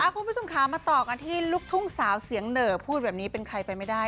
คุณผู้ชมค่ะมาต่อกันที่ลูกทุ่งสาวเสียงเหนอพูดแบบนี้เป็นใครไปไม่ได้